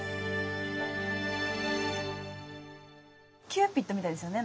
キューピッドみたいですよね。